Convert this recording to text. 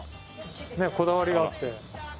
ねっこだわりがあって。